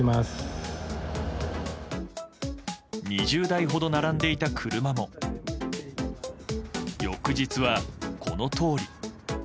２０台ほど並んでいた車も翌日は、このとおり。